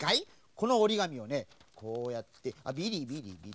このおりがみをねこうやってビリビリビリ。